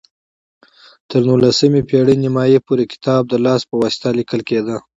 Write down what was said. تر نولسمې پېړۍ نیمايي پورې کتاب د لاس په واسطه لیکل کېده.